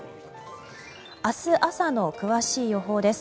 明日朝の詳しい予報です。